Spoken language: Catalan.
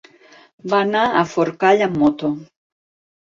Va anar a Forcall amb moto.